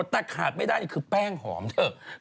แต่ขาดไม่ได้คือแป้งหอมเถอะ